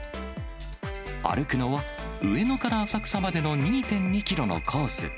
歩くのは、上野から浅草までの２．２キロのコース。